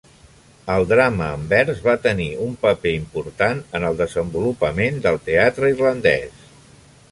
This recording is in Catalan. El drama en vers va tenir un paper important en el desenvolupament del teatre irlandès.